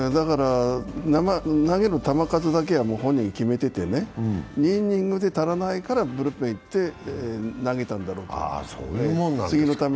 投げる球数だけは本人が決めてて、２イニングで足らないからブルペン行って、投げたんだろうと。